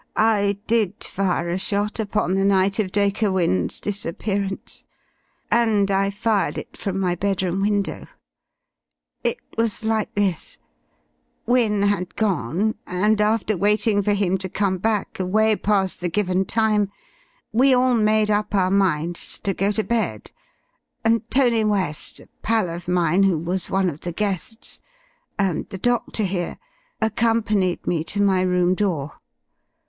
I did fire a shot upon the night of Dacre Wynne's disappearance, and I fired it from my bedroom window. It was like this: "Wynne had gone, and after waiting for him to come back away past the given time, we all made up our minds to go to bed, and Tony West a pal of mine who was one of the guests and the Doctor here accompanied me to my room door.